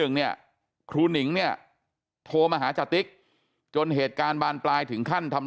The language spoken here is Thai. เนี่ยครูหนิงเนี่ยโทรมาหาจติ๊กจนเหตุการณ์บานปลายถึงขั้นทำ